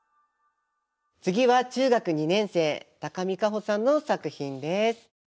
次は中学２年生見香帆さんの作品です。